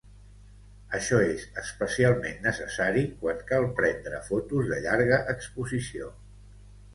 Això és especialment necessari quan cal prendre fotos de llarga exposició.